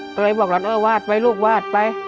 ก็เลยบอกวาดไปลูกวาดไป